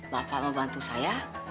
bapak membantu saya